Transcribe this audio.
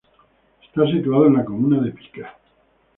Está situado en la Comuna de Pica.